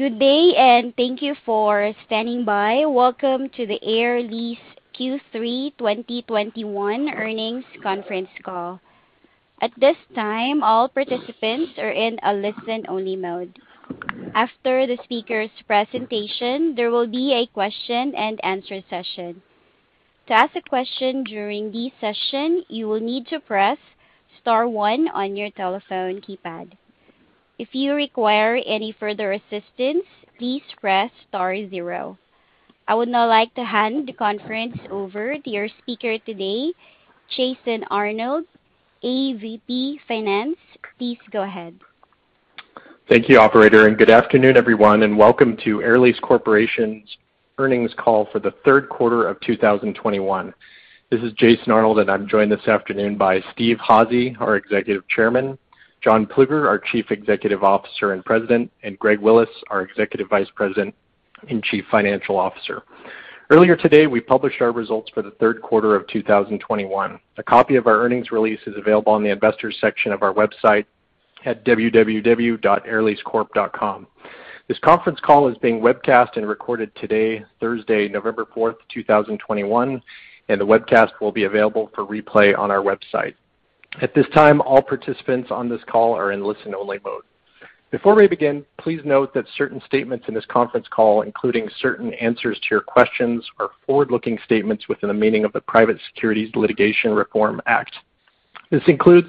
Good day and thank you for standing by. Welcome to the Air Lease Q3 2021 earnings conference call. At this time, all participants are in a listen-only mode. After the speaker's presentation, there will be a question-and-answer session. To ask a question during this session, you will need to press star one on your telephone keypad. If you require any further assistance, please press star zero. I would now like to hand the conference over to your speaker today, Jason Arnold, AVP Finance. Please go ahead. Thank you, operator, and good afternoon, everyone, and welcome to Air Lease Corporation's earnings call for the third quarter of 2021. This is Jason Arnold, and I'm joined this afternoon by Steve Házy, our Executive Chairman, John Plueger, our Chief Executive Officer and President, and Greg Willis, our Executive Vice President and Chief Financial Officer. Earlier today, we published our results for the third quarter of 2021. A copy of our earnings release is available on the Investors section of our website at www.airleasecorp.com. This conference call is being webcast and recorded today, Thursday, November 4th, 2021, and the webcast will be available for replay on our website. At this time, all participants on this call are in listen-only mode. Before we begin, please note that certain statements in this conference call, including certain answers to your questions, are forward-looking statements within the meaning of the Private Securities Litigation Reform Act. This includes,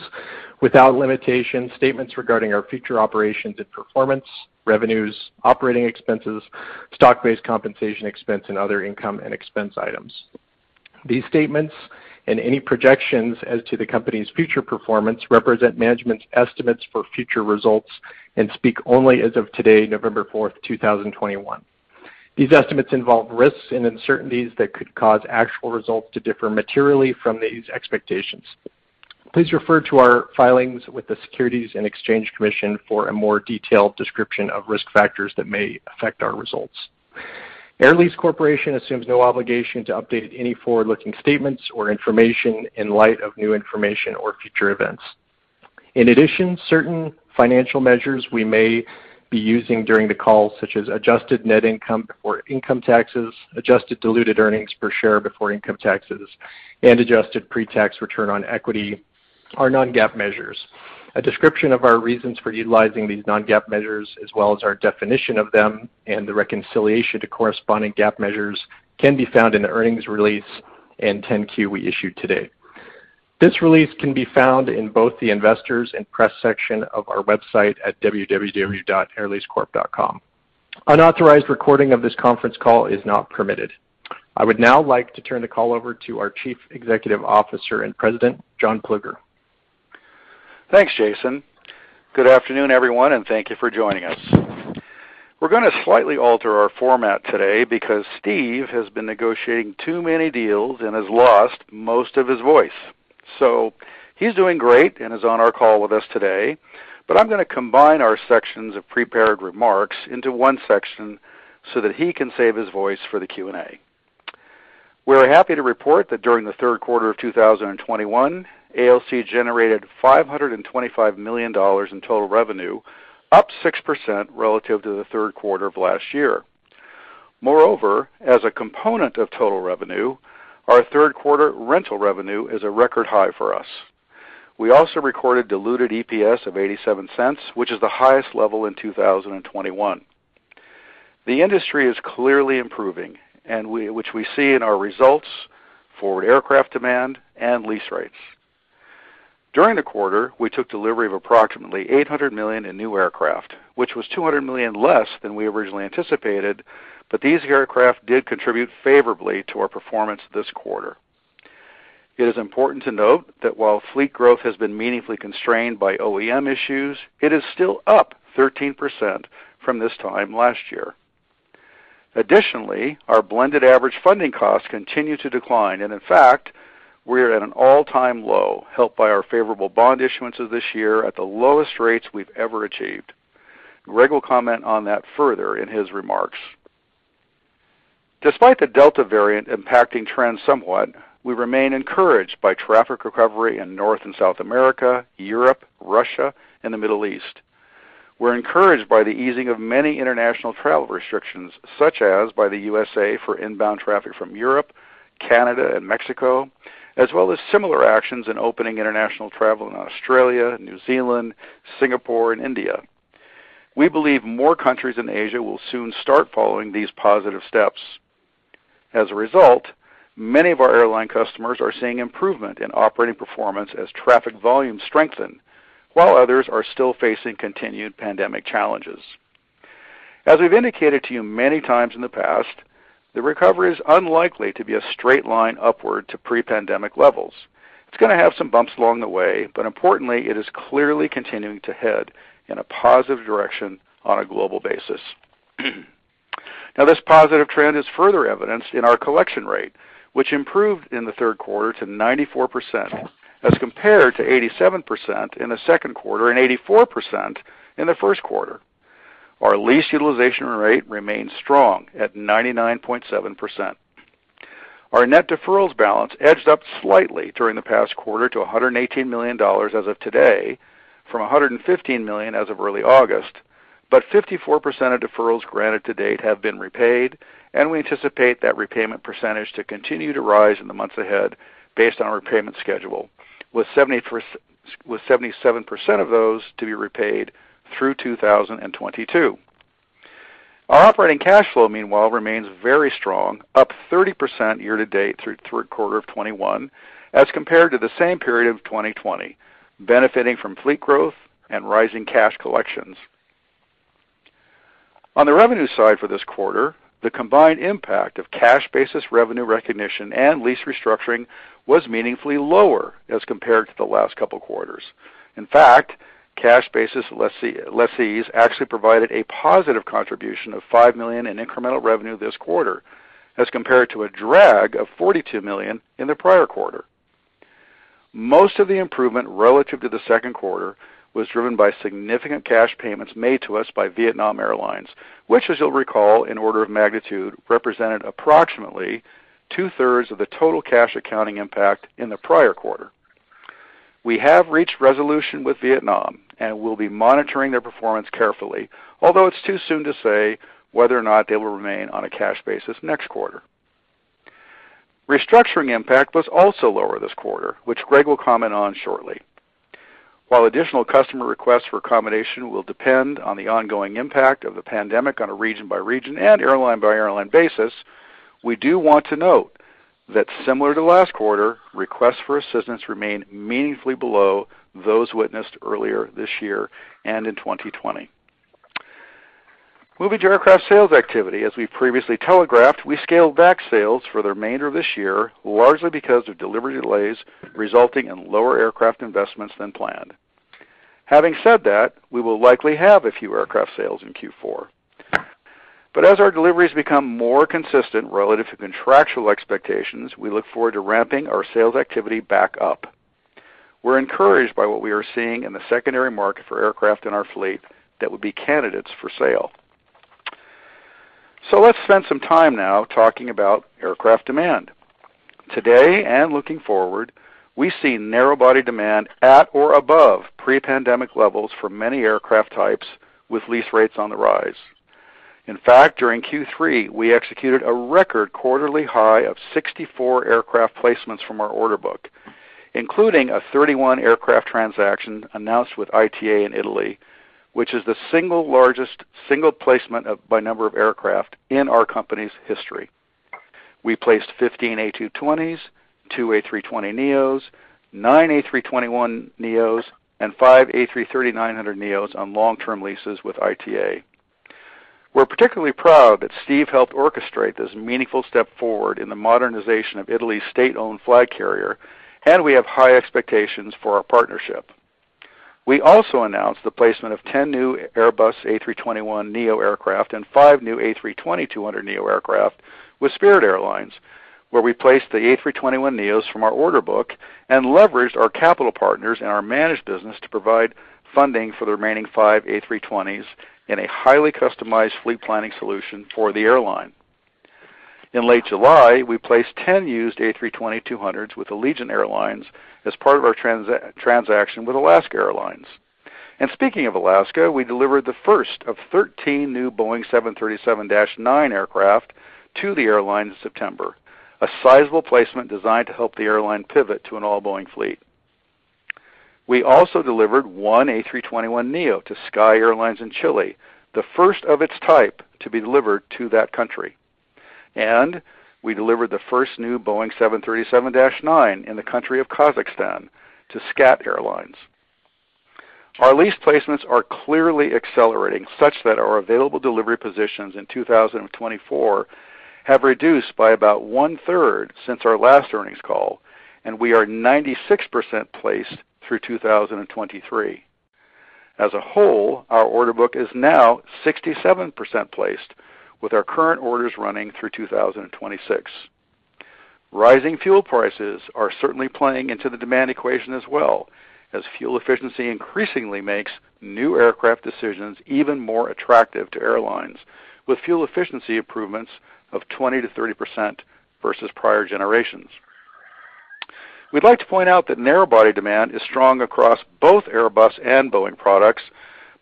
without limitation, statements regarding our future operations and performance, revenues, operating expenses, stock-based compensation expense, and other income and expense items. These statements and any projections as to the company's future performance represent management's estimates for future results and speak only as of today, November 4th, 2021. These estimates involve risks and uncertainties that could cause actual results to differ materially from these expectations. Please refer to our filings with the Securities and Exchange Commission for a more detailed description of risk factors that may affect our results. Air Lease Corporation assumes no obligation to update any forward-looking statements or information in light of new information or future events. In addition, certain financial measures we may be using during the call, such as adjusted net income or income taxes, adjusted diluted earnings per share before income taxes, and adjusted pre-tax return on equity are non-GAAP measures. A description of our reasons for utilizing these non-GAAP measures, as well as our definition of them and the reconciliation to corresponding GAAP measures, can be found in the earnings release and 10-Q we issued today. This release can be found in both the Investors and Press section of our website at www.airleasecorp.com. Unauthorized recording of this conference call is not permitted. I would now like to turn the call over to our Chief Executive Officer and President, John Plueger. Thanks, Jason. Good afternoon, everyone, and thank you for joining us. We're gonna slightly alter our format today because Steve has been negotiating too many deals and has lost most of his voice. He's doing great and is on our call with us today, but I'm gonna combine our sections of prepared remarks into one section so that he can save his voice for the Q&A. We're happy to report that during the third quarter of 2021, ALC generated $525 million in total revenue, up 6% relative to the third quarter of last year. Moreover, as a component of total revenue, our third quarter rental revenue is a record high for us. We also recorded diluted EPS of $0.87, which is the highest level in 2021. The industry is clearly improving, which we see in our results for aircraft demand and lease rates. During the quarter, we took delivery of approximately $800 million in new aircraft, which was $200 million less than we originally anticipated, but these aircraft did contribute favorably to our performance this quarter. It is important to note that while fleet growth has been meaningfully constrained by OEM issues, it is still up 13% from this time last year. Additionally, our blended average funding costs continue to decline, and in fact, we're at an all-time low, helped by our favorable bond issuances this year at the lowest rates we've ever achieved. Greg will comment on that further in his remarks. Despite the Delta variant impacting trends somewhat, we remain encouraged by traffic recovery in North and South America, Europe, Russia, and the Middle East. We're encouraged by the easing of many international travel restrictions, such as by the U.S.A. for inbound traffic from Europe, Canada, and Mexico, as well as similar actions in opening international travel in Australia, New Zealand, Singapore, and India. We believe more countries in Asia will soon start following these positive steps. As a result, many of our airline customers are seeing improvement in operating performance as traffic volumes strengthen, while others are still facing continued pandemic challenges. As we've indicated to you many times in the past, the recovery is unlikely to be a straight line upward to pre-pandemic levels. It's gonna have some bumps along the way, but importantly, it is clearly continuing to head in a positive direction on a global basis. Now, this positive trend is further evidenced in our collection rate, which improved in the third quarter to 94% as compared to 87% in the second quarter and 84% in the first quarter. Our lease utilization rate remains strong at 99.7%. Our net deferrals balance edged up slightly during the past quarter to $118 million as of today from $115 million as of early August. 54% percent of deferrals granted to date have been repaid, and we anticipate that repayment percentage to continue to rise in the months ahead based on our repayment schedule, with 77% of those to be repaid through 2022. Our operating cash flow, meanwhile, remains very strong, up 30% year-to-date through third quarter of 2021 as compared to the same period of 2020, benefiting from fleet growth and rising cash collections. On the revenue side for this quarter, the combined impact of cash basis revenue recognition and lease restructuring was meaningfully lower as compared to the last couple quarters. In fact, cash basis lessees actually provided a positive contribution of $5 million in incremental revenue this quarter as compared to a drag of $42 million in the prior quarter. Most of the improvement relative to the second quarter was driven by significant cash payments made to us by Vietnam Airlines, which, as you'll recall, in order of magnitude, represented approximately 2/3 of the total cash accounting impact in the prior quarter. We have reached resolution with Vietnam, and we'll be monitoring their performance carefully, although it's too soon to say whether or not they will remain on a cash basis next quarter. Restructuring impact was also lower this quarter, which Greg will comment on shortly. While additional customer requests for accommodation will depend on the ongoing impact of the pandemic on a region-by-region and airline-by-airline basis, we do want to note that similar to last quarter, requests for assistance remain meaningfully below those witnessed earlier this year and in 2020. Moving to aircraft sales activity, as we previously telegraphed, we scaled back sales for the remainder of this year, largely because of delivery delays resulting in lower aircraft investments than planned. Having said that, we will likely have a few aircraft sales in Q4. As our deliveries become more consistent relative to contractual expectations, we look forward to ramping our sales activity back up. We're encouraged by what we are seeing in the secondary market for aircraft in our fleet that would be candidates for sale. Let's spend some time now talking about aircraft demand. Today and looking forward, we see narrow body demand at or above pre-pandemic levels for many aircraft types with lease rates on the rise. In fact, during Q3, we executed a record quarterly high of 64 aircraft placements from our order book, including a 31 aircraft transaction announced with ITA in Italy, which is the single largest placement by number of aircraft in our company's history. We placed 15 A220s, two A320neos, nine A321neos, and five A330-900neos on long-term leases with ITA. We're particularly proud that Steve helped orchestrate this meaningful step forward in the modernization of Italy's state-owned flag carrier, and we have high expectations for our partnership. We also announced the placement of 10 new Airbus A321neo aircraft and five new A320-200neo aircraft with Spirit Airlines, where we placed the A321neos from our order book and leveraged our capital partners in our managed business to provide funding for the remaining five A320s in a highly customized fleet planning solution for the airline. In late July, we placed 10 used A320-200s with Allegiant Air as part of our transaction with Alaska Airlines. Speaking of Alaska, we delivered the first of 13 new Boeing 737-9 aircraft to the airline in September, a sizable placement designed to help the airline pivot to an all-Boeing fleet. We also delivered one A321neo to SKY Airline in Chile, the first of its type to be delivered to that country. We delivered the first new Boeing 737-9 in the country of Kazakhstan to SCAT Airlines. Our lease placements are clearly accelerating such that our available delivery positions in 2024 have reduced by about one-third since our last earnings call, and we are 96% placed through 2023. As a whole, our order book is now 67% placed, with our current orders running through 2026. Rising fuel prices are certainly playing into the demand equation as well, as fuel efficiency increasingly makes new aircraft decisions even more attractive to airlines, with fuel efficiency improvements of 20%-30% versus prior generations. We'd like to point out that narrow body demand is strong across both Airbus and Boeing products,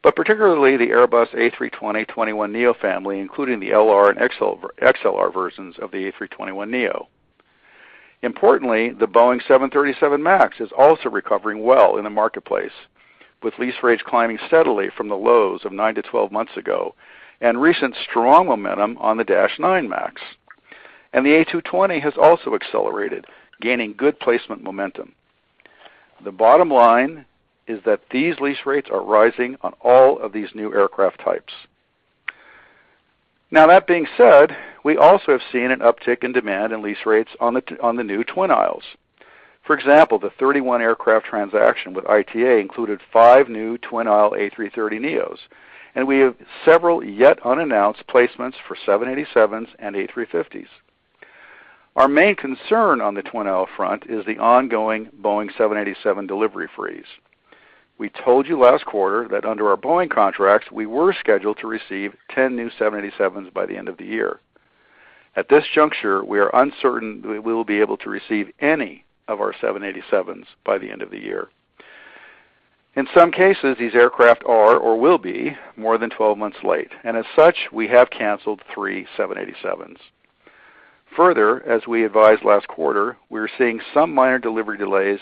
but particularly the Airbus A320/21neo family, including the LR and XLR versions of the A321neo. Importantly, the Boeing 737 MAX is also recovering well in the marketplace, with lease rates climbing steadily from the lows of nine to 12 months ago and recent strong momentum on the -9 MAX. The A220 has also accelerated, gaining good placement momentum. The bottom line is that these lease rates are rising on all of these new aircraft types. Now that being said, we also have seen an uptick in demand and lease rates on the new twin aisles. For example, the 31 aircraft transaction with ITA included five new twin aisle A330neos, and we have several yet unannounced placements for 787s and A350s. Our main concern on the twin aisle front is the ongoing Boeing 787 delivery freeze. We told you last quarter that under our Boeing contracts, we were scheduled to receive 10 new 787s by the end of the year. At this juncture, we are uncertain that we will be able to receive any of our 787s by the end of the year. In some cases, these aircraft are or will be more than 12 months late, and as such, we have canceled three 787s. Further, as we advised last quarter, we're seeing some minor delivery delays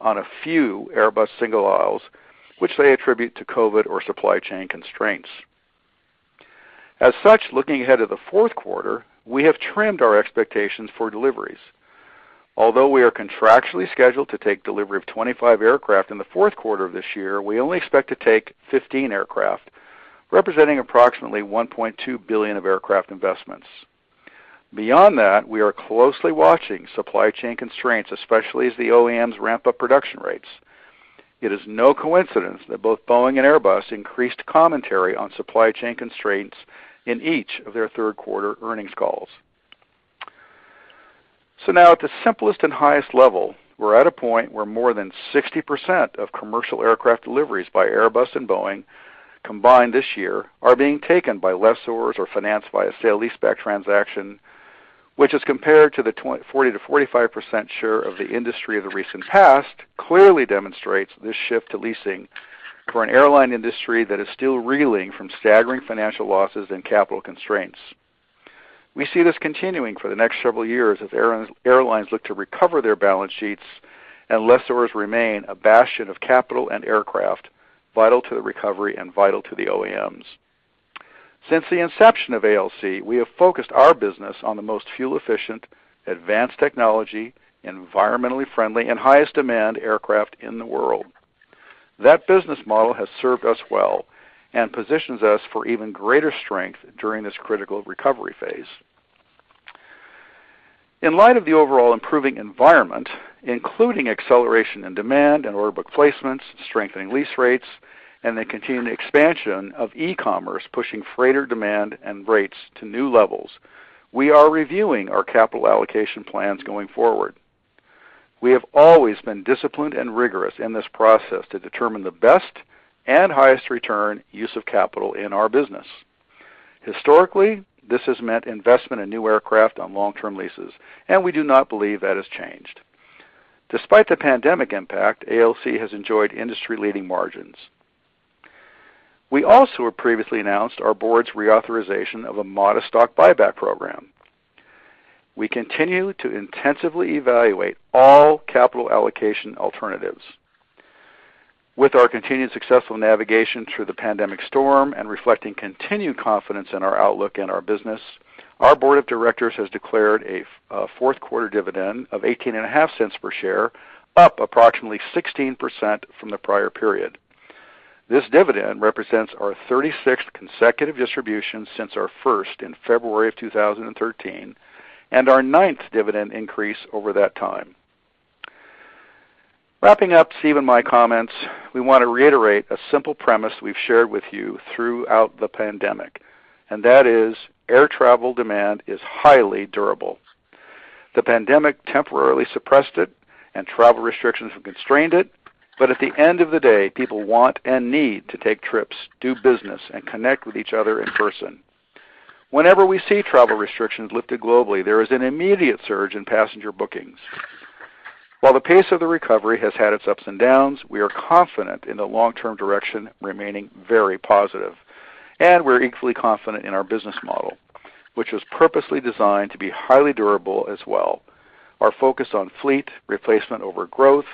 on a few Airbus single aisles, which they attribute to COVID or supply chain constraints. As such, looking ahead to the fourth quarter, we have trimmed our expectations for deliveries. Although we are contractually scheduled to take delivery of 25 aircraft in the fourth quarter of this year, we only expect to take 15 aircraft, representing approximately $1.2 billion of aircraft investments. Beyond that, we are closely watching supply chain constraints, especially as the OEMs ramp up production rates. It is no coincidence that both Boeing and Airbus increased commentary on supply chain constraints in each of their third quarter earnings calls. Now at the simplest and highest level, we're at a point where more than 60% of commercial aircraft deliveries by Airbus and Boeing combined this year are being taken by lessors or financed by a sale leaseback transaction, which as compared to the 40%-45% share of the industry of the recent past, clearly demonstrates this shift to leasing for an airline industry that is still reeling from staggering financial losses and capital constraints. We see this continuing for the next several years as airlines look to recover their balance sheets and lessors remain a bastion of capital and aircraft vital to the recovery and vital to the OEMs. Since the inception of ALC, we have focused our business on the most fuel-efficient, advanced technology, environmentally friendly and highest demand aircraft in the world. That business model has served us well and positions us for even greater strength during this critical recovery phase. In light of the overall improving environment, including acceleration in demand and order book placements, strengthening lease rates, and the continuing expansion of e-commerce pushing freighter demand and rates to new levels, we are reviewing our capital allocation plans going forward. We have always been disciplined and rigorous in this process to determine the best and highest return use of capital in our business. Historically, this has meant investment in new aircraft on long-term leases, and we do not believe that has changed. Despite the pandemic impact, ALC has enjoyed industry-leading margins. We also have previously announced our board's reauthorization of a modest stock buyback program. We continue to intensively evaluate all capital allocation alternatives. With our continued successful navigation through the pandemic storm and reflecting continued confidence in our outlook and our business, our board of directors has declared a fourth quarter dividend of $0.185 per share, up approximately 16% from the prior period. This dividend represents our 36th consecutive distribution since our first in February of 2013, and our 9th dividend increase over that time. Wrapping up Steve and my comments, we want to reiterate a simple premise we've shared with you throughout the pandemic, and that is air travel demand is highly durable. The pandemic temporarily suppressed it and travel restrictions have constrained it, but at the end of the day, people want and need to take trips, do business, and connect with each other in person. Whenever we see travel restrictions lifted globally, there is an immediate surge in passenger bookings. While the pace of the recovery has had its ups and downs, we are confident in the long-term direction remaining very positive, and we're equally confident in our business model, which was purposely designed to be highly durable as well. Our focus on fleet replacement over growth,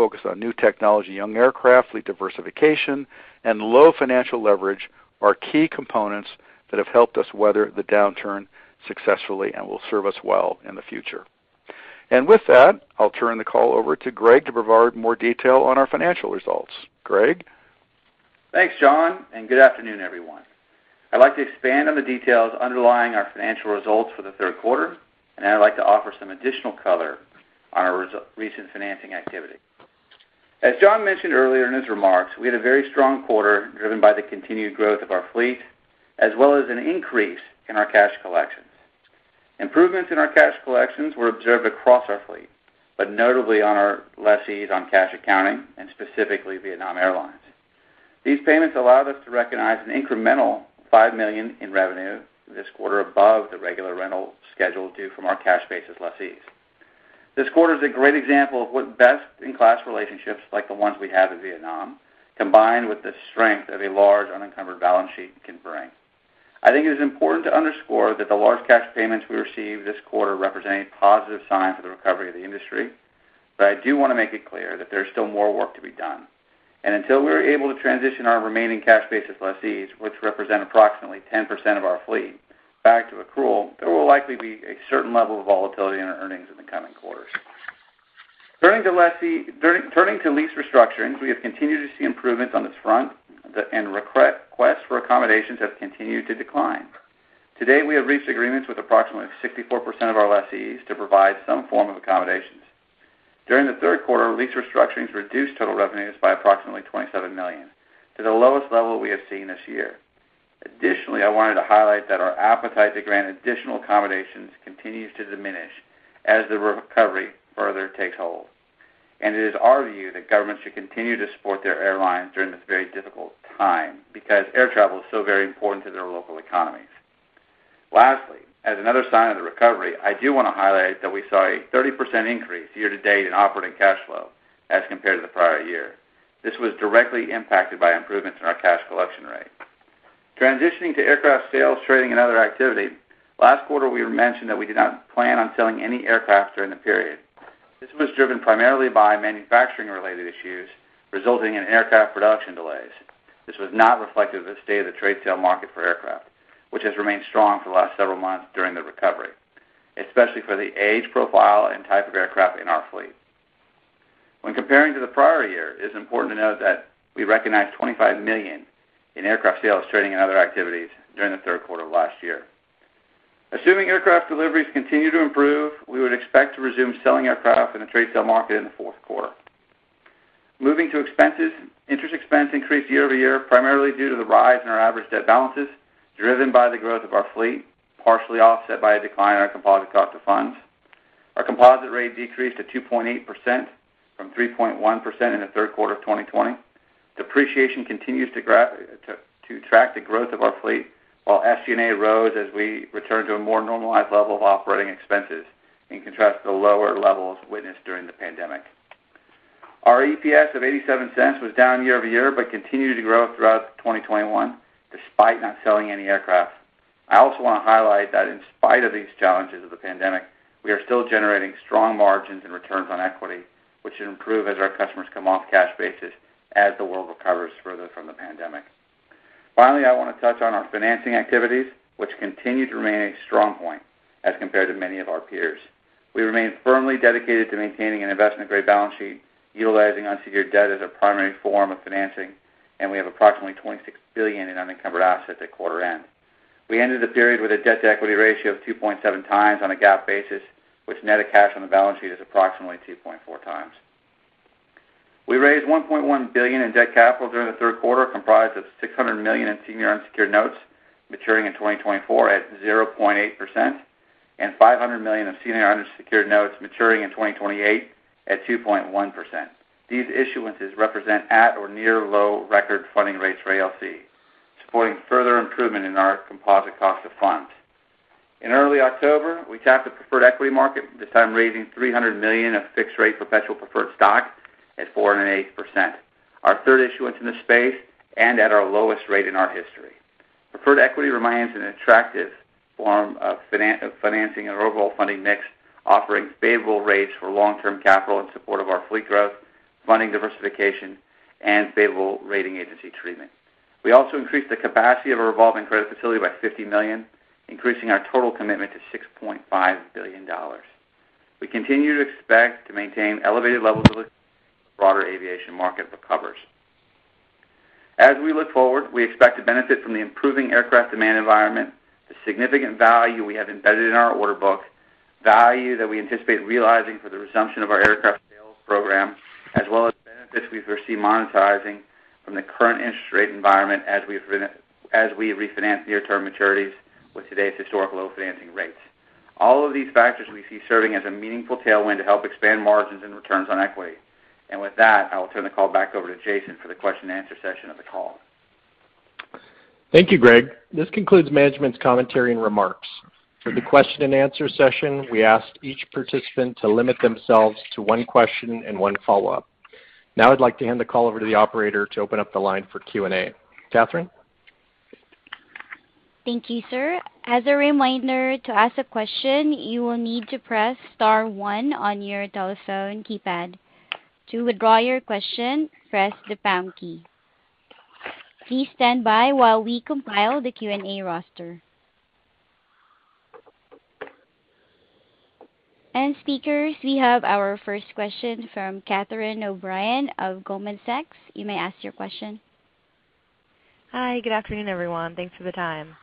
focus on new technology, young aircraft, fleet diversification and low financial leverage are key components that have helped us weather the downturn successfully and will serve us well in the future. With that, I'll turn the call over to Greg to provide more detail on our financial results. Greg? Thanks, John, and good afternoon, everyone. I'd like to expand on the details underlying our financial results for the third quarter, and I'd like to offer some additional color on our recent financing activity. As John mentioned earlier in his remarks, we had a very strong quarter driven by the continued growth of our fleet, as well as an increase in our cash collections. Improvements in our cash collections were observed across our fleet, but notably on our lessees on cash accounting and specifically Vietnam Airlines. These payments allowed us to recognize an incremental $5 million in revenue this quarter above the regular rental schedule due from our cash basis lessees. This quarter is a great example of what best-in-class relationships like the ones we have in Vietnam, combined with the strength of a large unencumbered balance sheet can bring. I think it is important to underscore that the large cash payments we received this quarter represent a positive sign for the recovery of the industry. I do want to make it clear that there's still more work to be done. Until we're able to transition our remaining cash basis lessees, which represent approximately 10% of our fleet, back to accrual, there will likely be a certain level of volatility in our earnings in the coming quarters. Turning to lease restructurings, we have continued to see improvements on this front, and requests for accommodations have continued to decline. To date, we have reached agreements with approximately 64% of our lessees to provide some form of accommodations. During the third quarter, lease restructurings reduced total revenues by approximately $27 million to the lowest level we have seen this year. Additionally, I wanted to highlight that our appetite to grant additional accommodations continues to diminish as the recovery further takes hold. It is our view that governments should continue to support their airlines during this very difficult time because air travel is so very important to their local economies. Lastly, as another sign of the recovery, I do wanna highlight that we saw a 30% increase year-to-date in operating cash flow as compared to the prior year. This was directly impacted by improvements in our cash collection rate. Transitioning to aircraft sales, trading, and other activity. Last quarter, we mentioned that we did not plan on selling any aircraft during the period. This was driven primarily by manufacturing-related issues resulting in aircraft production delays. This was not reflective of the state of the trade sale market for aircraft, which has remained strong for the last several months during the recovery, especially for the age profile and type of aircraft in our fleet. When comparing to the prior year, it is important to note that we recognized $25 million in aircraft sales, trading, and other activities during the third quarter of last year. Assuming aircraft deliveries continue to improve, we would expect to resume selling aircraft in the trade sale market in the fourth quarter. Moving to expenses. Interest expense increased year over year, primarily due to the rise in our average debt balances, driven by the growth of our fleet, partially offset by a decline in our composite cost of funds. Our composite rate decreased to 2.8% from 3.1% in the third quarter of 2020. Depreciation continues to track the growth of our fleet, while SG&A rose as we return to a more normalized level of operating expenses, in contrast to the lower levels witnessed during the pandemic. Our EPS of $0.87 was down year-over-year, but continued to grow throughout 2021, despite not selling any aircraft. I also wanna highlight that in spite of these challenges of the pandemic, we are still generating strong margins and returns on equity, which should improve as our customers come off cash basis as the world recovers further from the pandemic. Finally, I wanna touch on our financing activities, which continue to remain a strong point as compared to many of our peers. We remain firmly dedicated to maintaining an investment-grade balance sheet, utilizing unsecured debt as our primary form of financing, and we have approximately $26 billion in unencumbered assets at quarter end. We ended the period with a debt-to-equity ratio of 2.7 times on a GAAP basis, which, net of cash on the balance sheet, is approximately 2.4 times. We raised $1.1 billion in debt capital during the third quarter, comprised of $600 million in senior unsecured notes maturing in 2024 at 0.8% and $500 million of senior unsecured notes maturing in 2028 at 2.1%. These issuances represent at or near record-low funding rates for ALC, supporting further improvement in our composite cost of funds. In early October, we tapped the preferred equity market, this time raising $300 million of fixed-rate perpetual preferred stock at 4.8%. Our third issuance in this space and at our lowest rate in our history. Preferred equity remains an attractive form of financing in our overall funding mix, offering favorable rates for long-term capital in support of our fleet growth, funding diversification, and favorable rating agency treatment. We also increased the capacity of our revolving credit facility by $50 million, increasing our total commitment to $6.5 billion. We continue to expect to maintain elevated levels as broader aviation market recovers. As we look forward, we expect to benefit from the improving aircraft demand environment, the significant value we have embedded in our order book, value that we anticipate realizing for the resumption of our aircraft sales program, as well as benefits we foresee monetizing from the current interest rate environment as we refinance near-term maturities with today's historical low financing rates. All of these factors we see serving as a meaningful tailwind to help expand margins and returns on equity. With that, I will turn the call back over to Jason for the question and answer session of the call. Thank you, Greg. This concludes management's commentary and remarks. For the question and answer session, we ask each participant to limit themselves to one question and one follow-up. Now I'd like to hand the call over to the operator to open up the line for Q&A. Katherine? Thank you, sir. As a reminder, to ask a question, you will need to press star one on your telephone keypad. To withdraw your question, press the pound key. Please stand by while we compile the Q&A roster. Speakers, we have our first question from Catherine O'Brien of Goldman Sachs. You may ask your question. Hi. Good afternoon, everyone. Thanks for the time.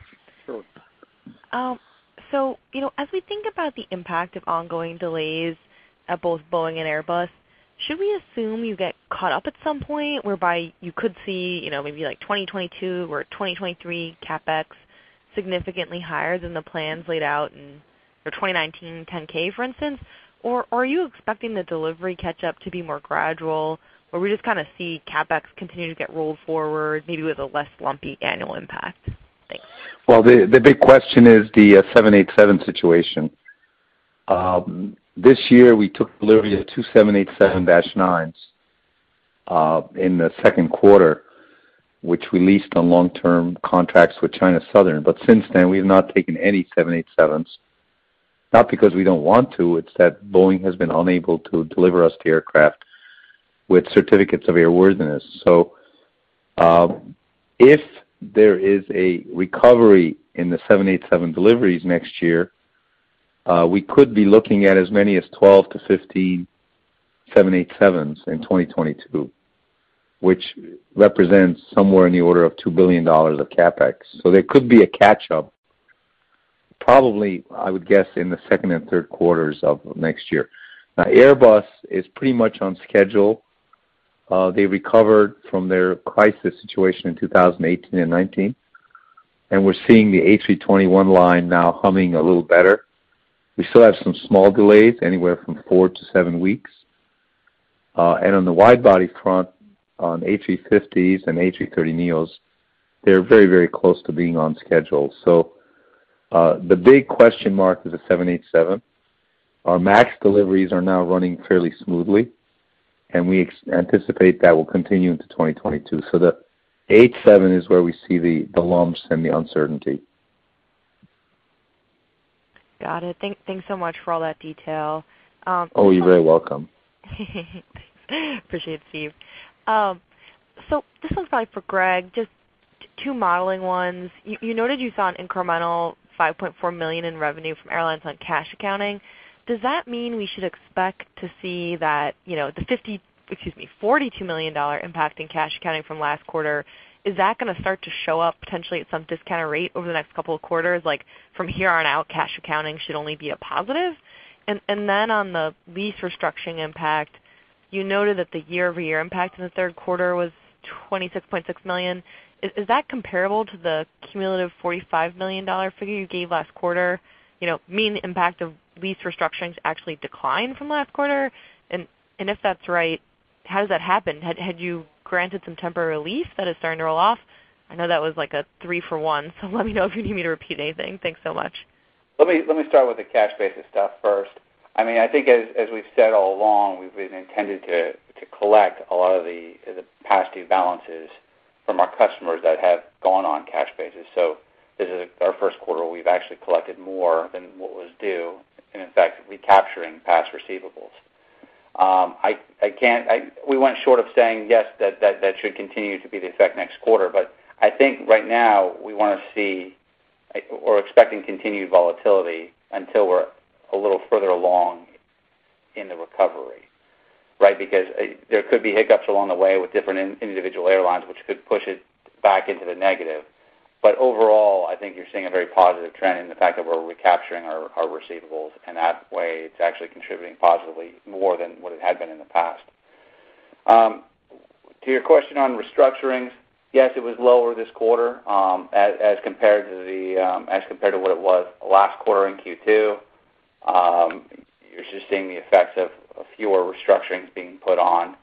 You know, as we think about the impact of ongoing delays at both Boeing and Airbus, should we assume you get caught up at some point, whereby you could see, you know, maybe like 2022 or 2023 CapEx significantly higher than the plans laid out in the 2019 10-K, for instance? Or are you expecting the delivery catch-up to be more gradual, where we just kinda see CapEx continue to get rolled forward, maybe with a less lumpy annual impact? Thanks. Well, the big question is the 787 situation. This year we took delivery of two 787-9s in the second quarter, which we leased on long-term contracts with China Southern. Since then, we have not taken any 787s, not because we don't want to, it's that Boeing has been unable to deliver us the aircraft with certificates of airworthiness. If there is a recovery in the 787 deliveries next year, we could be looking at as many as 12-15 787s in 2022, which represents somewhere in the order of $2 billion of CapEx. There could be a catch-up Probably, I would guess, in the second and third quarters of next year. Now, Airbus is pretty much on schedule. They recovered from their crisis situation in 2018 and 2019, and we're seeing the A321 line now humming a little better. We still have some small delays, anywhere from four to seven weeks. And on the wide-body front, on A350s and A330neos, they're very, very close to being on schedule. The big question mark is the 787. Our MAX deliveries are now running fairly smoothly, and we anticipate that will continue into 2022. The 87 is where we see the lumps and the uncertainty. Got it. Thanks so much for all that detail. Oh, you're very welcome. Thanks. Appreciate it, Steve. So this one's probably for Greg. Just two modeling ones. You noted you saw an incremental $5.4 million in revenue from airlines on cash accounting. Does that mean we should expect to see that, you know, the $42 million impact in cash accounting from last quarter, is that gonna start to show up potentially at some discounted rate over the next couple of quarters? Like, from here on out, cash accounting should only be a positive? Then on the lease restructuring impact, you noted that the year-over-year impact in the third quarter was $26.6 million. Is that comparable to the cumulative $45 million figure you gave last quarter? You know, meaning the impact of lease restructurings actually declined from last quarter. If that's right, how does that happen? Had you granted some temporary lease that is starting to roll off? I know that was like a three for one, so let me know if you need me to repeat anything. Thanks so much. Let me start with the cash basis stuff first. I mean, I think as we've said all along, we've been intended to collect a lot of the past due balances from our customers that have gone on cash basis. This is our first quarter we've actually collected more than what was due, and in fact, recapturing past receivables. We went short of saying, yes, that should continue to be the effect next quarter. I think right now we wanna see, or expecting continued volatility until we're a little further along in the recovery, right? Because there could be hiccups along the way with different individual airlines, which could push it back into the negative. Overall, I think you're seeing a very positive trend in the fact that we're recapturing our receivables, and that way it's actually contributing positively more than what it had been in the past. To your question on restructurings, yes, it was lower this quarter, as compared to what it was last quarter in Q2. You're just seeing the effects of fewer restructurings being put on.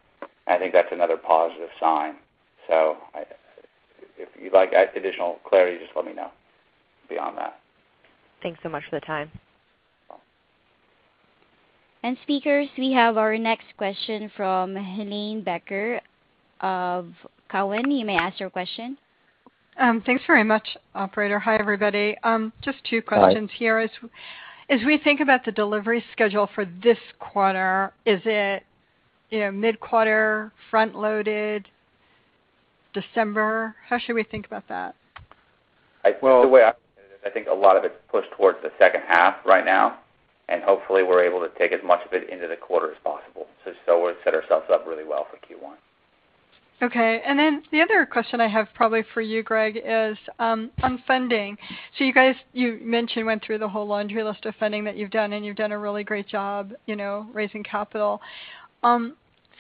I think that's another positive sign. If you'd like additional clarity, just let me know beyond that. Thanks so much for the time. You're welcome. speakers, we have our next question from Helane Becker of Cowen. You may ask your question. Thanks very much, operator. Hi, everybody. Just two questions here. Hi. As we think about the delivery schedule for this quarter, is it, you know, mid-quarter, front-loaded, December? How should we think about that? I- Well- The way I think about it, I think a lot of it's pushed towards the second half right now, and hopefully we're able to take as much of it into the quarter as possible. We'll set ourselves up really well for Q1. Okay. The other question I have probably for you, Greg, is on funding. You guys, you mentioned went through the whole laundry list of funding that you've done, and you've done a really great job, you know, raising capital.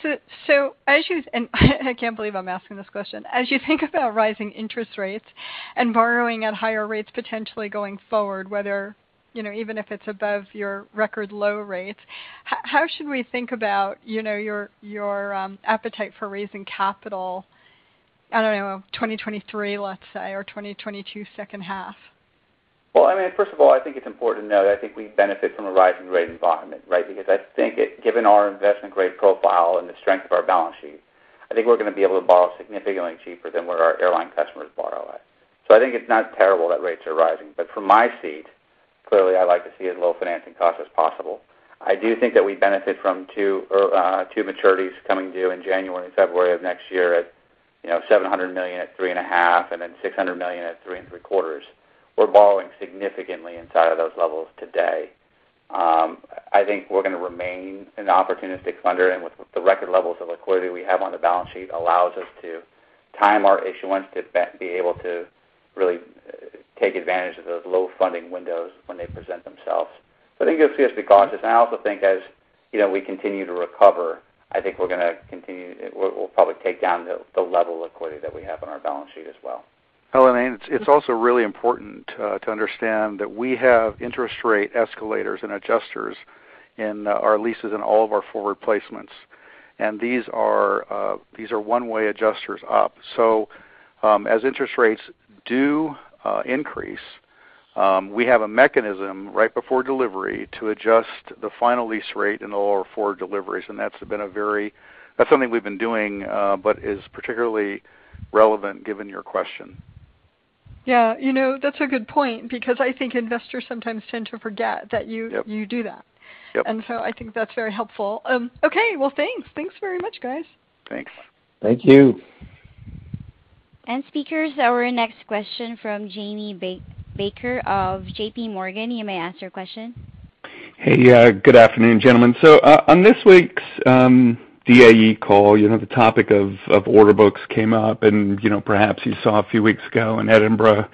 I can't believe I'm asking this question. As you think about rising interest rates and borrowing at higher rates potentially going forward, whether, you know, even if it's above your record low rates, how should we think about, you know, your appetite for raising capital, I don't know, 2023, let's say, or 2022 second half? Well, I mean, first of all, I think it's important to note, I think we benefit from a rising rate environment, right? Because I think it, given our investment grade profile and the strength of our balance sheet, I think we're gonna be able to borrow significantly cheaper than what our airline customers borrow at. I think it's not terrible that rates are rising. From my seat, clearly, I like to see as low financing costs as possible. I do think that we benefit from two maturities coming due in January and February of next year at, you know, $700 million at 3.5%, and then $600 million at 3.75%. We're borrowing significantly inside of those levels today. I think we're gonna remain an opportunistic lender, and with the record levels of liquidity we have on the balance sheet allows us to time our issuance to be able to really take advantage of those low funding windows when they present themselves. I think you'll see us be cautious. I also think as, you know, we continue to recover, I think we're gonna continue. We'll probably take down the level of liquidity that we have on our balance sheet as well. Helane, it's also really important to understand that we have interest rate escalators and adjusters in our leases in all of our forward placements, and these are one-way adjusters up. As interest rates do increase, we have a mechanism right before delivery to adjust the final lease rate in all our forward deliveries, and that's something we've been doing, but is particularly relevant given your question. Yeah. You know, that's a good point because I think investors sometimes tend to forget that you- Yep. You do that. Yep. I think that's very helpful. Okay. Well, thanks. Thanks very much, guys. Thanks. Thank you. Speakers, our next question from Jamie Baker of JPMorgan. You may ask your question. Hey, good afternoon, gentlemen. On this week's DAE call, you know, the topic of order books came up and, you know, perhaps you saw a few weeks ago in Edinburgh,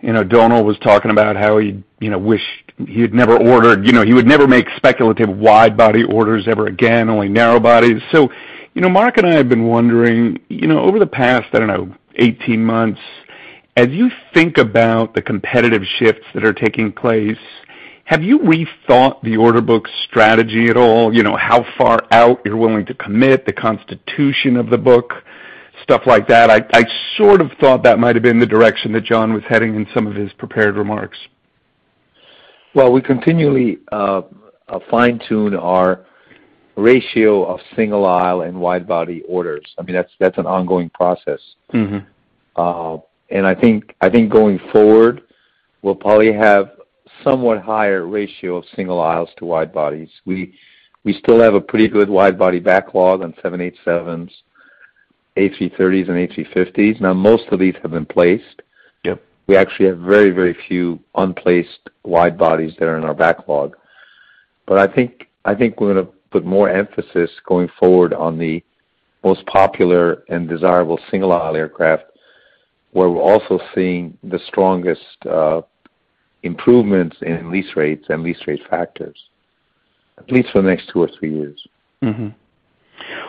you know, Dómhnal was talking about how he, you know, wished he'd never ordered, you know, he would never make speculative wide-body orders ever again, only narrow bodies. You know, Mark and I have been wondering, you know, over the past, I don't know, 18 months, as you think about the competitive shifts that are taking place, have you rethought the order book strategy at all? You know, how far out you're willing to commit, the constitution of the book, stuff like that. I sort of thought that might have been the direction that John was heading in some of his prepared remarks. Well, we continually fine-tune our ratio of single aisle and wide-body orders. I mean, that's an ongoing process. Mm-hmm. I think going forward, we'll probably have somewhat higher ratio of single aisles to wide bodies. We still have a pretty good wide-body backlog on 787s, A330s and A350s. Now, most of these have been placed. Yep. We actually have very, very few unplaced wide bodies that are in our backlog. I think we're gonna put more emphasis going forward on the most popular and desirable single-aisle aircraft, where we're also seeing the strongest improvements in lease rates and lease rate factors, at least for the next two or three years.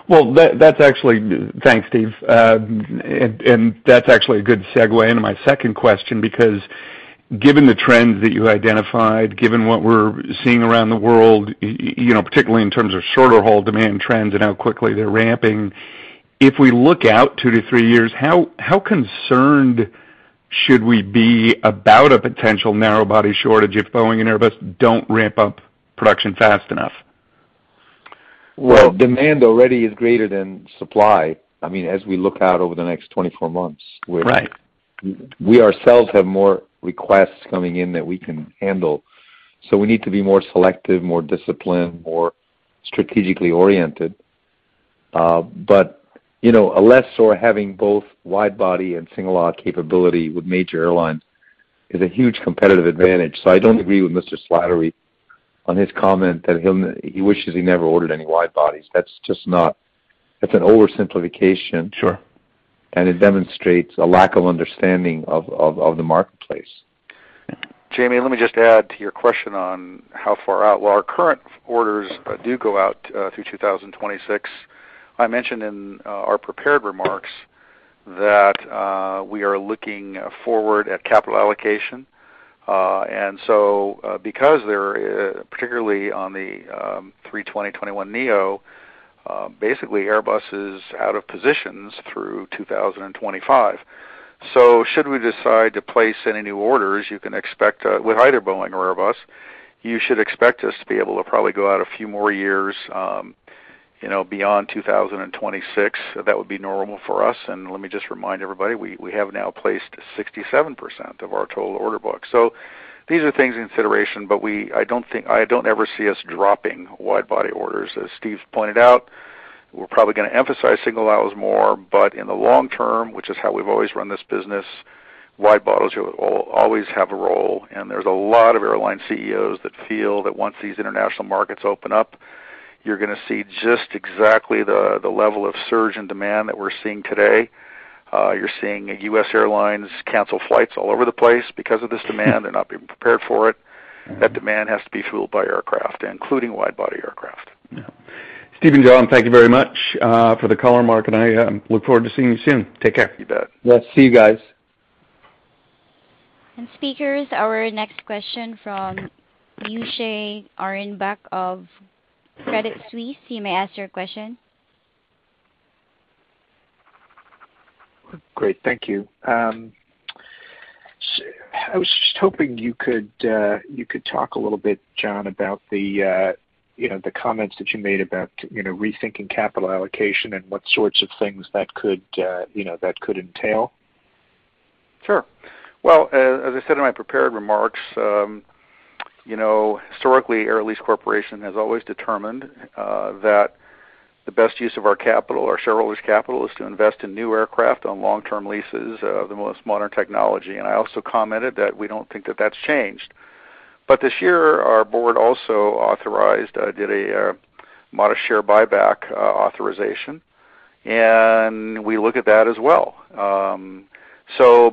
Well, that's actually. Thanks, Steve. That's actually a good segue into my second question, because given the trends that you identified, given what we're seeing around the world, you know, particularly in terms of shorter haul demand trends and how quickly they're ramping, if we look out two to three years, how concerned should we be about a potential narrow-body shortage if Boeing and Airbus don't ramp up production fast enough? Well, demand already is greater than supply. I mean, as we look out over the next 24 months with Right We ourselves have more requests coming in than we can handle. We need to be more selective, more disciplined, more strategically oriented. You know, a lessor having both wide-body and single aisle capability with major airlines is a huge competitive advantage. I don't agree with Mr. Slattery on his comment that he wishes he never ordered any wide bodies. That's just not, that's an oversimplification. Sure. It demonstrates a lack of understanding of the marketplace. Yeah. Jamie, let me just add to your question on how far out. Well, our current orders do go out through 2026. I mentioned in our prepared remarks that we are looking forward at capital allocation. Because there, particularly on the 320/21neo, basically Airbus is out of positions through 2025. So should we decide to place any new orders, you can expect with either Boeing or Airbus, you should expect us to be able to probably go out a few more years, you know, beyond 2026. That would be normal for us. Let me just remind everybody, we have now placed 67% of our total order book. These are things in consideration, but we, I don't think I ever see us dropping wide-body orders. As Steve's pointed out, we're probably gonna emphasize single aisles more, but in the long term, which is how we've always run this business, wide-bodies will always have a role, and there's a lot of airline CEOs that feel that once these international markets open up, you're gonna see just exactly the level of surge and demand that we're seeing today. You're seeing U.S. airlines cancel flights all over the place because of this demand. They're not being prepared for it. Mm-hmm. That demand has to be fueled by aircraft, including wide-body aircraft. Yeah. Steve and John, thank you very much for the call. Mark and I look forward to seeing you soon. Take care. You bet. Yes. See you guys. Speakers, our next question from Moshe Orenbuch of Credit Suisse. You may ask your question. Great. Thank you. I was just hoping you could talk a little bit, John, about, you know, the comments that you made about, you know, rethinking capital allocation and what sorts of things that could, you know, entail. Sure. Well, as I said in my prepared remarks, you know, historically, Air Lease Corporation has always determined that the best use of our capital, our shareholders' capital, is to invest in new aircraft on long-term leases, the most modern technology. I also commented that we don't think that that's changed. This year, our board also authorized a modest share buyback authorization, and we look at that as well.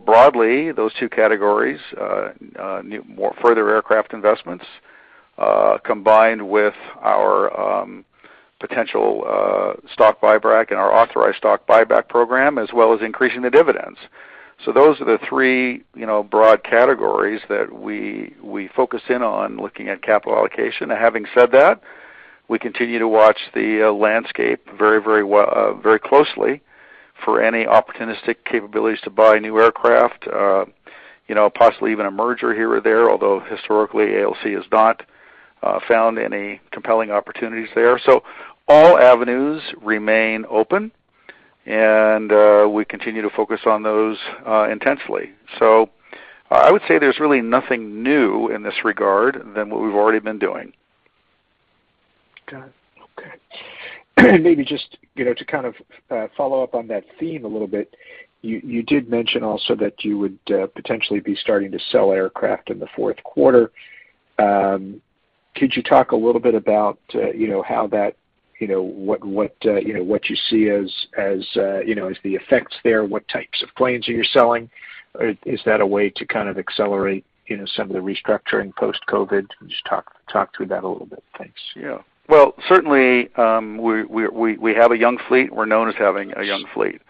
Broadly, those two categories, new aircraft investments combined with our potential stock buyback and our authorized stock buyback program, as well as increasing the dividends. Those are the three, you know, broad categories that we focus in on looking at capital allocation. Now, having said that, we continue to watch the landscape very closely for any opportunistic capabilities to buy new aircraft, you know, possibly even a merger here or there, although historically, ALC has not found any compelling opportunities there. All avenues remain open, and we continue to focus on those intensely. I would say there's really nothing new in this regard than what we've already been doing. Got it. Okay. Maybe just, you know, to kind of follow up on that theme a little bit, you did mention also that you would potentially be starting to sell aircraft in the fourth quarter. Could you talk a little bit about, you know, how that, you know, what you see as the effects there? What types of planes are you selling? Or is that a way to kind of accelerate, you know, some of the restructuring post-COVID? Just talk to that a little bit. Thanks. Yeah. Well, certainly, we have a young fleet. We're known as having a young fleet.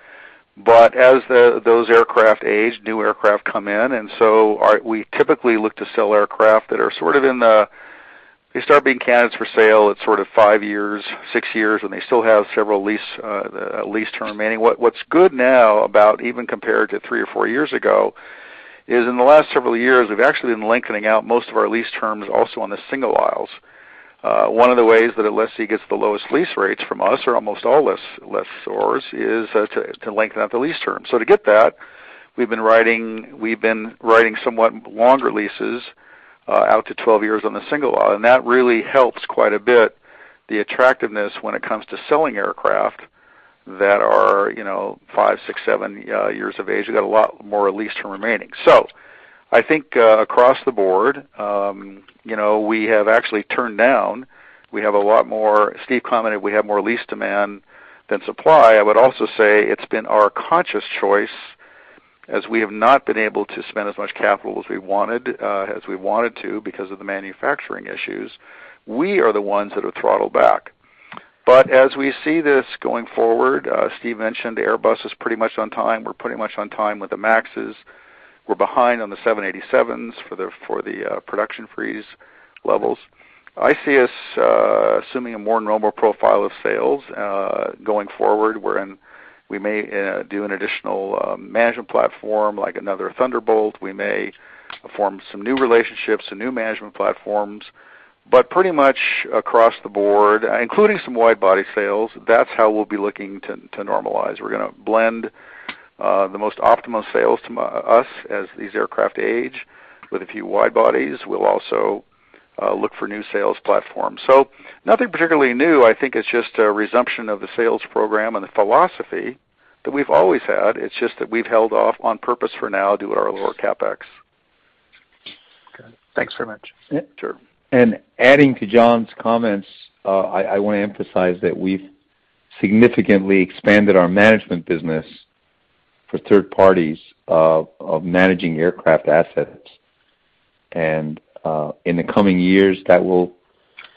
As those aircraft age, new aircraft come in, and so we typically look to sell aircraft that start being candidates for sale at sort of five years, six years, when they still have several lease term remaining. What's good now about even compared to three or four years ago is in the last several years, we've actually been lengthening out most of our lease terms also on the single aisles. One of the ways that a lessee gets the lowest lease rates from us, or almost all lessors, is to lengthen out the lease term. To get that, we've been writing somewhat longer leases out to 12 years on the single aisle, and that really helps quite a bit the attractiveness when it comes to selling aircraft that are, you know, five, six, seven years of age. They've got a lot more lease term remaining. I think across the board, you know, we have actually turned down. We have a lot more lease demand than supply. Steve commented we have more lease demand than supply. I would also say it's been our conscious choice as we have not been able to spend as much capital as we wanted to because of the manufacturing issues. We are the ones that have throttled back. As we see this going forward, Steve mentioned Airbus is pretty much on time. We're pretty much on time with the MAXs. We're behind on the 787s for the production freeze levels. I see us assuming a more normal profile of sales going forward, wherein we may do an additional management platform like another Thunderbolt. We may form some new relationships and new management platforms, but pretty much across the board, including some wide-body sales, that's how we'll be looking to normalize. We're gonna blend the most optimal sales to monetize as these aircraft age with a few wide bodies. We'll also look for new sales platforms. Nothing particularly new. I think it's just a resumption of the sales program and the philosophy that we've always had. It's just that we've held off on purpose for now due to our lower CapEx. Okay. Thanks very much. Yeah, sure. Adding to John's comments, I want to emphasize that we've significantly expanded our management business for third parties of managing aircraft assets. In the coming years, that will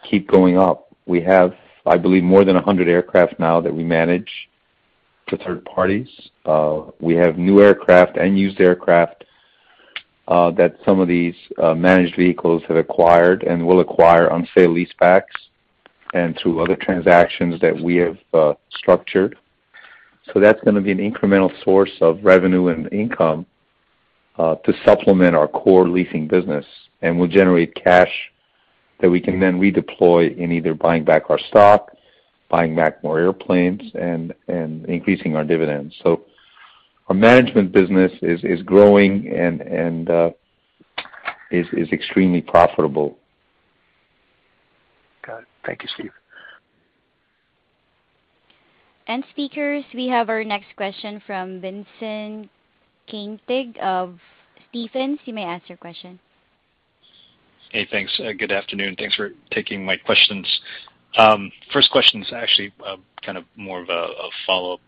keep going up. We have, I believe, more than 100 aircraft now that we manage to third parties. We have new aircraft and used aircraft that some of these managed vehicles have acquired and will acquire on sale-leasebacks and through other transactions that we have structured. That's gonna be an incremental source of revenue and income to supplement our core leasing business, and will generate cash that we can then redeploy in either buying back our stock, buying back more airplanes, and increasing our dividends. Our management business is growing and is extremely profitable. Got it. Thank you, Steve. Speakers, we have our next question from Vincent Caintic of Stephens. You may ask your question. Hey, thanks. Good afternoon. Thanks for taking my questions. First question is actually kind of more of a follow-up.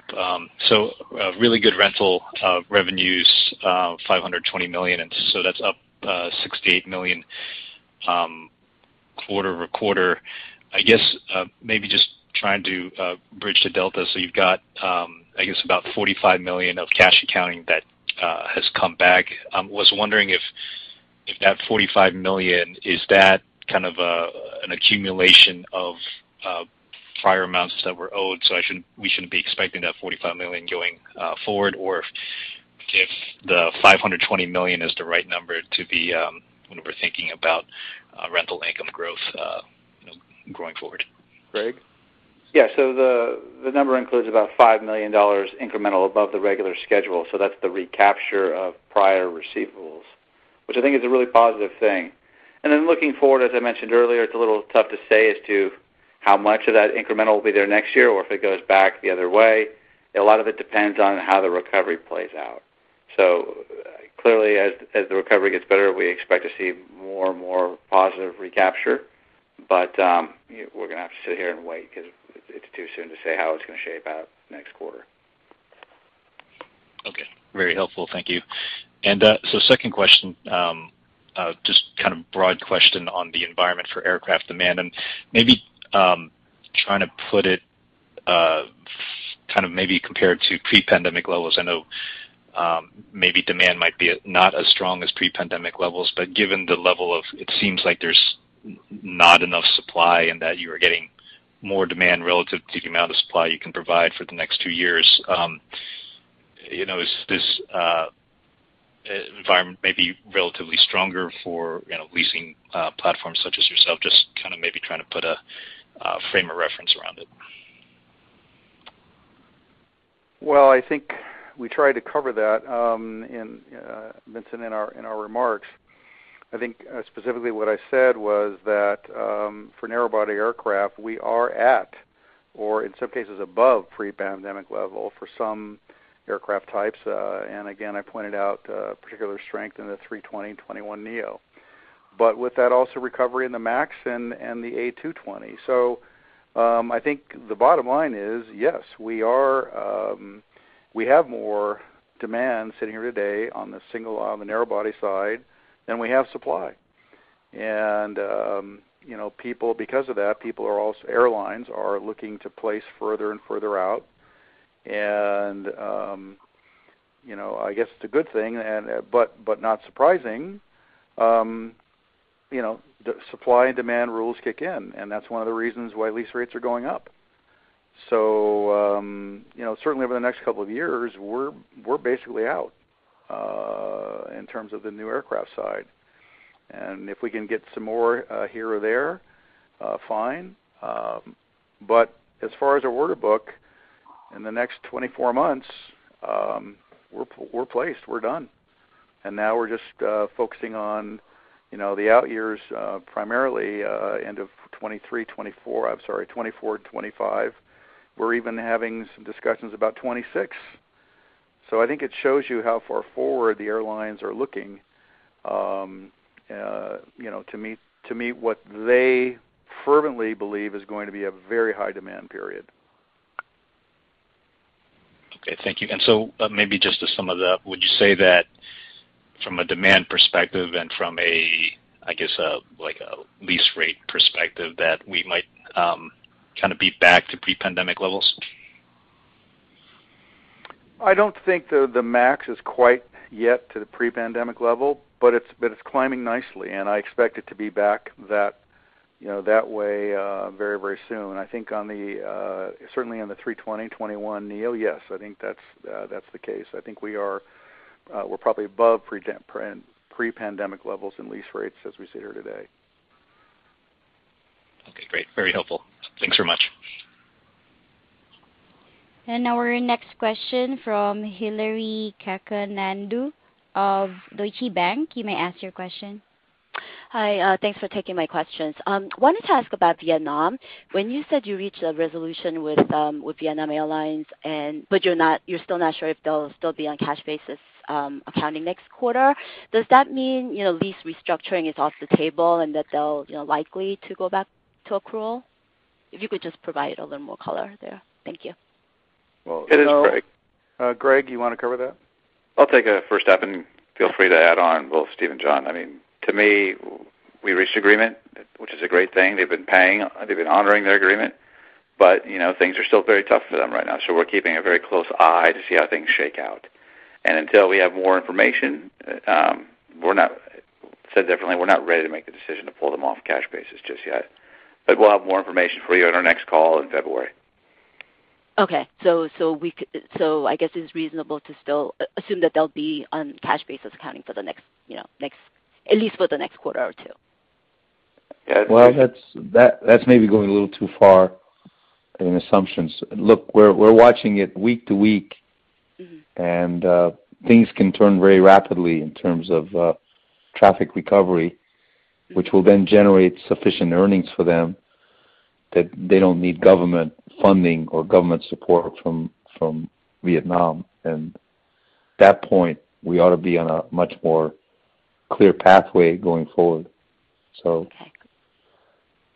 Really good rental revenues, $520 million, and that's up $68 million quarter-over-quarter. I guess maybe just trying to bridge the delta. You've got I guess about $45 million of cash accounting that has come back. Was wondering if that $45 million is that kind of an accumulation of prior amounts that were owed? I shouldn't, we shouldn't be expecting that $45 million going forward, or if the $520 million is the right number to be when we're thinking about rental income growth, you know, going forward. Greg? Yeah. The number includes about $5 million incremental above the regular schedule, so that's the recapture of prior receivables, which I think is a really positive thing. Looking forward, as I mentioned earlier, it's a little tough to say as to how much of that incremental will be there next year or if it goes back the other way. A lot of it depends on how the recovery plays out. Clearly, as the recovery gets better, we expect to see more and more positive recapture. You know, we're gonna have to sit here and wait 'cause it's too soon to say how it's gonna shape out next quarter. Okay. Very helpful. Thank you. Second question, just kind of broad question on the environment for aircraft demand and maybe, trying to put it, kind of maybe compared to pre-pandemic levels. I know, maybe demand might be not as strong as pre-pandemic levels, but given the level of it seems like there's not enough supply and that you are getting more demand relative to the amount of supply you can provide for the next two years. You know, is this environment may be relatively stronger for, you know, leasing platforms such as yourself? Just kind of maybe trying to put a frame of reference around it. Well, I think we tried to cover that, Vincent, in our remarks. I think specifically what I said was that for narrow-body aircraft, we are at or in some cases above pre-pandemic level for some aircraft types. I pointed out particular strength in the A320/21neo. But with that also recovery in the MAX and the A220. I think the bottom line is, yes, we have more demand sitting here today on the single-aisle narrow-body side than we have supply. You know, because of that, airlines are looking to place further and further out. You know, I guess it's a good thing. Not surprising, you know, the supply and demand rules kick in, and that's one of the reasons why lease rates are going up. You know, certainly over the next couple of years, we're basically out in terms of the new aircraft side. If we can get some more here or there, fine. As far as our order book, in the next 24 months, we're placed, we're done. Now we're just focusing on you know the out years primarily end of 2023, 2024. I'm sorry, 2024, 2025. We're even having some discussions about 2026. I think it shows you how far forward the airlines are looking you know to meet what they fervently believe is going to be a very high demand period. Okay. Thank you. Maybe just to sum it up, would you say that from a demand perspective and from a, I guess, a, like, a lease rate perspective, that we might kind of be back to pre-pandemic levels? I don't think the MAX is quite yet to the pre-pandemic level, but it's climbing nicely, and I expect it to be back that, you know, that way, very soon. I think certainly on the 320/21neo, yes. I think that's the case. I think we're probably above pre-pandemic levels and lease rates as we sit here today. Okay, great. Very helpful. Thanks so much. Our next question from Hillary Cacanando of Deutsche Bank. You may ask your question. Hi. Thanks for taking my questions. I wanted to ask about Vietnam. When you said you reached a resolution with Vietnam Airlines but you're still not sure if they'll still be on cash basis accounting next quarter. Does that mean, you know, lease restructuring is off the table and that they'll, you know, likely to go back to accrual? If you could just provide a little more color there. Thank you. Well, it is, Greg. Greg, you want to cover that? I'll take a first step, and feel free to add on, both Steve and John. I mean, to me, we reached agreement, which is a great thing. They've been paying, they've been honoring their agreement. You know, things are still very tough for them right now, so we're keeping a very close eye to see how things shake out. Until we have more information, said differently, we're not ready to make the decision to pull them off cash basis just yet. We'll have more information for you on our next call in February. I guess it's reasonable to still assume that they'll be on cash basis accounting for the next, you know, at least for the next quarter or two. Yeah. Well, that's maybe going a little too far in assumptions. Look, we're watching it week to week. Mm-hmm. Things can turn very rapidly in terms of traffic recovery, which will then generate sufficient earnings for them that they don't need government funding or government support from Vietnam. At that point, we ought to be on a much more clear pathway going forward. Okay.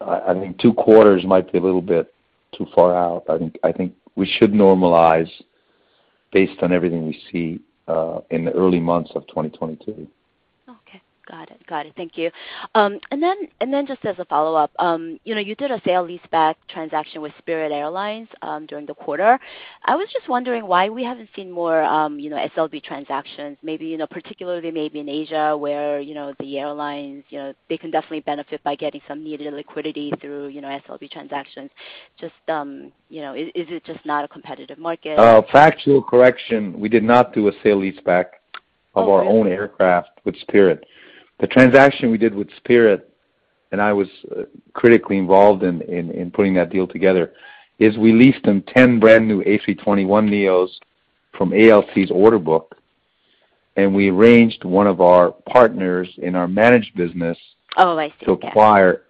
I think two quarters might be a little bit too far out. I think we should normalize based on everything we see in the early months of 2022. Okay. Got it. Thank you. Just as a follow-up, you know, you did a sale-leaseback transaction with Spirit Airlines during the quarter. I was just wondering why we haven't seen more, you know, SLB transactions, maybe, you know, particularly maybe in Asia where, you know, the airlines, you know, they can definitely benefit by getting some needed liquidity through, you know, SLB transactions. Just, you know, is it just not a competitive market? Factual correction. We did not do a sale leaseback of our own aircraft with Spirit. The transaction we did with Spirit, and I was critically involved in putting that deal together, is we leased them 10 brand new A321neos from ALC's order book, and we arranged one of our partners in our managed business- Oh, I see. Got it. To acquire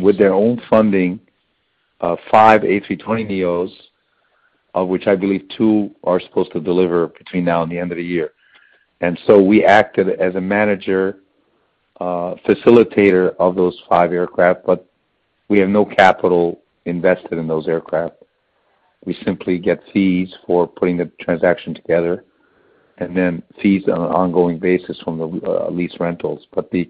with their own funding, five A320neos, which I believe two are supposed to deliver between now and the end of the year. We acted as a manager, facilitator of those five aircraft, but we have no capital invested in those aircraft. We simply get fees for putting the transaction together and then fees on an ongoing basis from the lease rentals. But the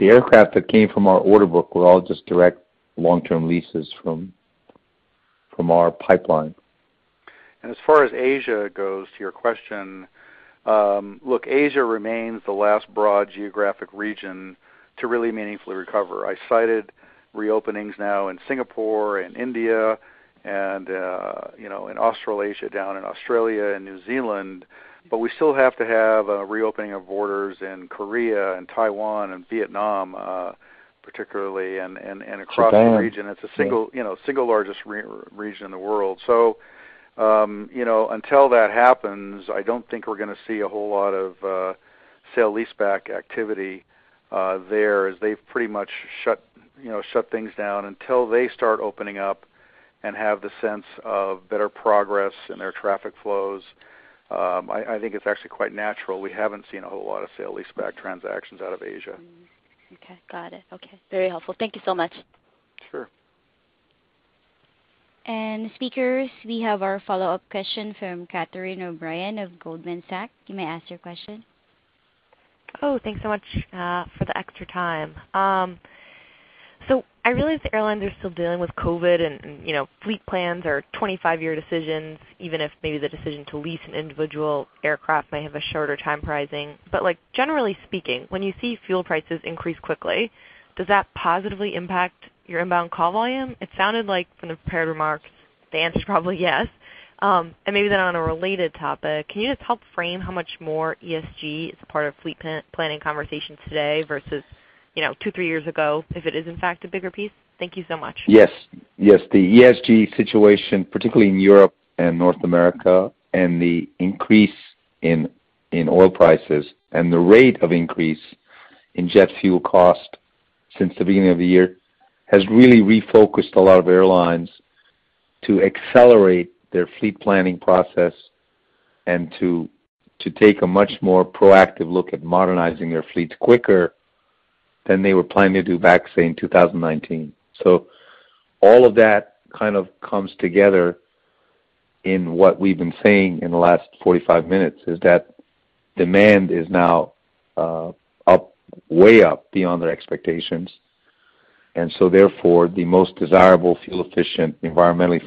aircraft that came from our order book were all just direct long-term leases from our pipeline. As far as Asia goes, to your question, look, Asia remains the last broad geographic region to really meaningfully recover. I cited re-openings now in Singapore and India and, you know, in Australasia down in Australia and New Zealand. We still have to have a reopening of borders in Korea and Taiwan and Vietnam. Particularly across the region. It's the single largest region in the world. You know, until that happens, I don't think we're gonna see a whole lot of sale-leaseback activity there as they've pretty much shut, you know, things down. Until they start opening up and have the sense of better progress in their traffic flows, I think it's actually quite natural. We haven't seen a whole lot of sale-leaseback transactions out of Asia. Okay. Got it. Okay. Very helpful. Thank you so much. Sure. Speakers, we have our follow-up question from Catherine O'Brien of Goldman Sachs. You may ask your question. Thanks so much for the extra time. I realize the airlines are still dealing with COVID and, you know, fleet plans or 25-year decisions, even if maybe the decision to lease an individual aircraft may have a shorter-term pricing. Like, generally speaking, when you see fuel prices increase quickly, does that positively impact your inbound call volume? It sounded like from the prepared remarks, the answer's probably yes. Maybe then on a related topic, can you just help frame how much more ESG is a part of fleet planning conversations today versus, you know, two, three years ago, if it is in fact a bigger piece? Thank you so much. Yes. Yes. The ESG situation, particularly in Europe and North America, and the increase in oil prices and the rate of increase in jet fuel cost since the beginning of the year, has really refocused a lot of airlines to accelerate their fleet planning process and to take a much more proactive look at modernizing their fleets quicker than they were planning to do back, say, in 2019. All of that kind of comes together in what we've been saying in the last 45 minutes, is that demand is now up, way up beyond their expectations. Therefore, the most desirable fuel-efficient, environmentally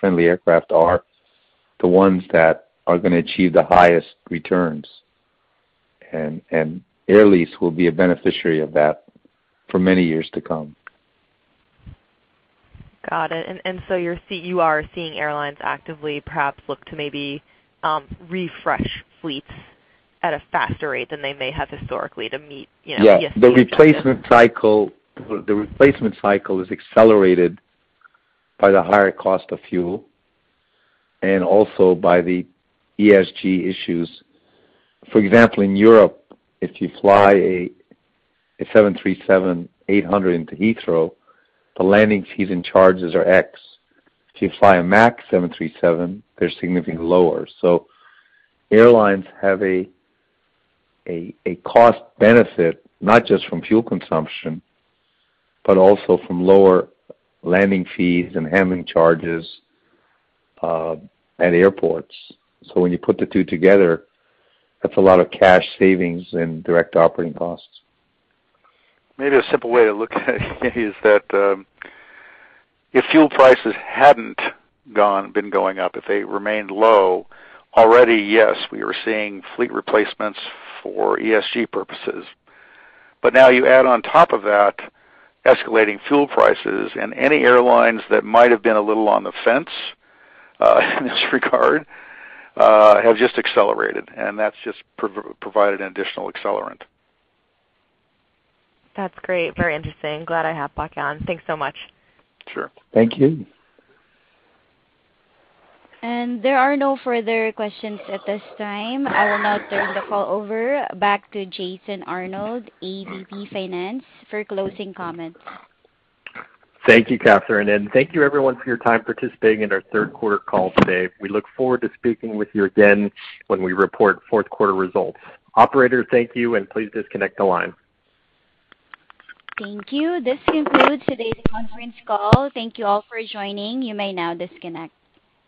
friendly aircraft are the ones that are gonna achieve the highest returns. And Air Lease will be a beneficiary of that for many years to come. Got it. You are seeing airlines actively perhaps look to maybe refresh fleets at a faster rate than they may have historically to meet, you know, ESG objectives. Yeah. The replacement cycle is accelerated by the higher cost of fuel and also by the ESG issues. For example, in Europe, if you fly a 737-800 into Heathrow, the landing fees and charges are X. If you fly a MAX 737, they're significantly lower. Airlines have a cost benefit not just from fuel consumption, but also from lower landing fees and handling charges at airports. When you put the two together, that's a lot of cash savings and direct operating costs. Maybe a simple way to look at it is that if fuel prices hadn't been going up, if they remained low, we were already seeing fleet replacements for ESG purposes. Now you add on top of that escalating fuel prices, and any airlines that might have been a little on the fence in this regard have just accelerated, and that's just provided an additional accelerant. That's great. Very interesting. Glad I hop back on. Thanks so much. Sure. Thank you. There are no further questions at this time. I will now turn the call over back to Jason Arnold, AVP Finance, for closing comments. Thank you, Katherine. Thank you everyone for your time participating in our third quarter call today. We look forward to speaking with you again when we report fourth quarter results. Operator, thank you, and please disconnect the line. Thank you. This concludes today's conference call. Thank you all for joining. You may now disconnect.